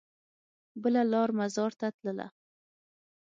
بله لار مزار ته تلله.